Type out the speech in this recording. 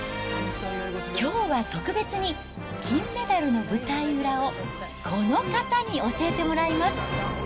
きょうは特別に、金メダルの舞台裏をこの方に教えてもらいます。